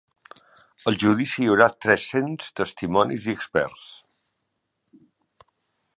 Al judici hi haurà tres-cents testimonis i experts.